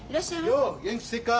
よう元気してっか。